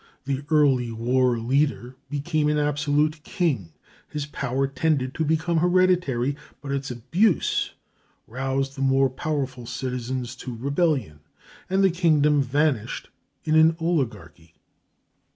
The early war leader became an absolute king, his power tended to become hereditary, but its abuse roused the more powerful citizens to rebellion, and the kingdom vanished in an oligarchy.